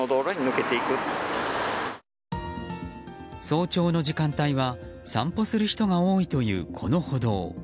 早朝の時間帯は、散歩する人が多いというこの歩道。